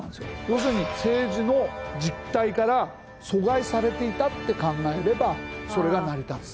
要するに政治の実態から疎外されていたって考えればそれが成り立つ。